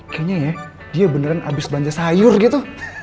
kayaknya ya dia beneran abis belanja sayur gitu